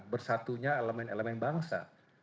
bersatunya elemen elemen bangsa